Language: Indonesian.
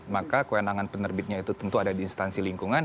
maka kewenangan penerbitnya itu tentu ada di instansi lingkungan